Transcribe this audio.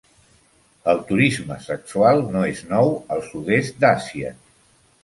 El turisme sexual no és nou al sud-est d'Àsia.